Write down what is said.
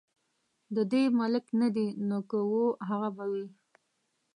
د دې ملک نه دي نو که وه هغه به وي.